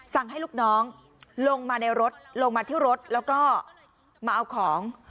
สั่งให้ลูกน้องลงมาในรถลงมาที่รถแล้วก็มาเอาของ